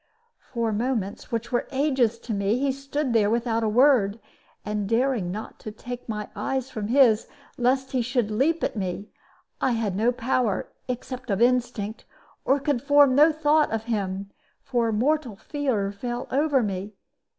For moments, which were ages to me, he stood there without a word; and daring not to take my eyes from his, lest he should leap at me, I had no power (except of instinct), and could form no thought of him, for mortal fear fell over me.